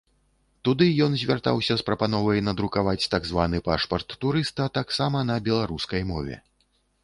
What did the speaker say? Туды ён звяртаўся з прапановай надрукаваць так званы пашпарт турыста таксама на беларускай мове.